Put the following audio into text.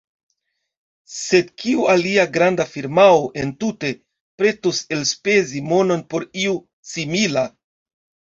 Sed kiu alia granda firmao entute pretus elspezi monon por io simila?